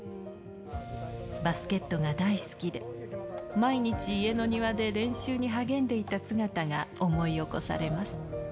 バスケットが大好きで、毎日家の庭で練習に励んでいた姿が思い起こされます。